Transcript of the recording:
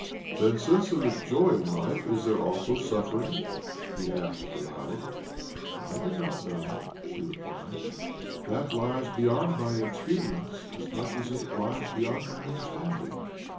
" Then, since there is joy in life, is there also suffering?" he asked aloud. " I do not know," she replied, " That lies beyond my experience as much as it lies beyond my understanding."